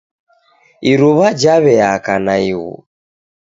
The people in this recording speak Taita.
Iruwa jaweaka naighu.